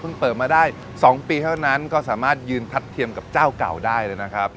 เปิดมาได้๒ปีเท่านั้นก็สามารถยืนทัดเทียมกับเจ้าเก่าได้เลยนะครับ